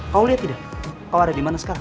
kau liat tidak kau ada dimana sekarang